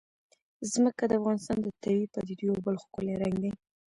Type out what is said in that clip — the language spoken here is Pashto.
ځمکه د افغانستان د طبیعي پدیدو یو بل ښکلی رنګ دی.